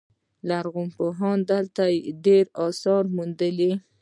لرغونپوهانو دلته ډیر اثار موندلي